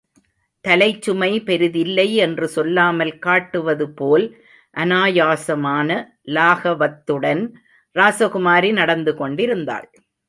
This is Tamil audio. தலைச்சுமை பெரிதில்லை என்று சொல்லாமல் காட்டுவதுபோல் அனாயசமான லாகவத்துடன் ராசகுமாரி நடந்து கொண்டிருந்தாள்.